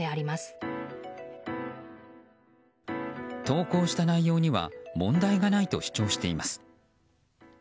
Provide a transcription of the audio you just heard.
投稿した内容には問題がないと主張しています。